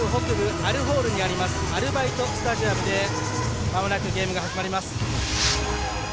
アルバイトスタジアムでまもなくゲームが始まります。